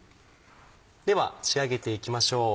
では仕上げていきましょう。